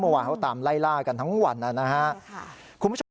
เมื่อวานเขาตามไล่ล่ากันทั้งวันนะฮะคุณผู้ชม